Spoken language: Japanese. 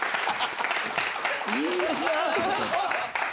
いいですね。